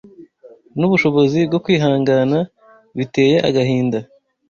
n’ubushobozi bwo kwihangana biteye agahinda.